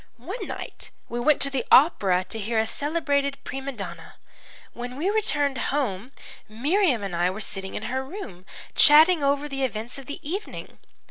One night we went to the opera to hear a celebrated prima donna. When we returned home Miriam and I were sitting in her room, chatting over the events of the evening.